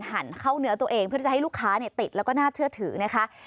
หั่นเข้าเนื้อตัวเองเพื่อจะให้ลูกค้าติดแล้วก็น่าเชื่อถือนะคะ